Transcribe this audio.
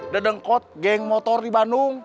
dedengkot geng motor di bandung